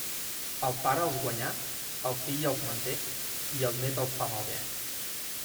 El pare els guanyà, el fill els manté i el nét els fa malbé.